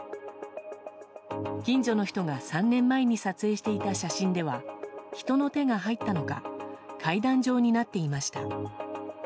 近所の人が３年前に撮影していた写真では人の手が入ったのか階段状になっていました。